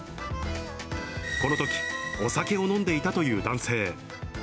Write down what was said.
このとき、お酒を飲んでいたという男性。